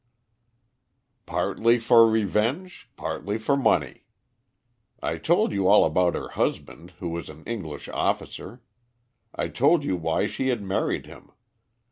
"Partly for revenge, partly for money. I told you all about her husband, who was an English officer. I told you why she had married him.